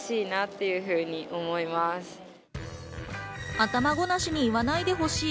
頭ごなしに言わないでほしい。